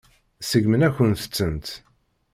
Seggmen-akent-tent.